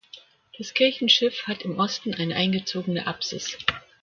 Das Kirchenschiff hat im Osten eine eingezogene Apsis.